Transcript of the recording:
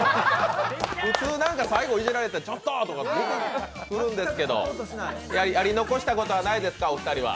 普通、なんか、最後いじられたら「ちょっと！」とか来るんですけどやり残したことはないですか、お二人は？